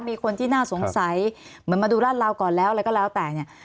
มีคนที่น่าสงสัยเหมือนมาดูราดราวก่อนแล้วอะไรก็แล้วแต่เนี่ย